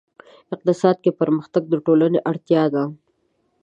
اقتصاد کې پرمختګ د ټولنې اړتیا ده.